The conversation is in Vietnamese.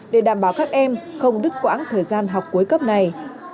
để đảm bảo các em không đứt quãng thời gian học cuối cấp này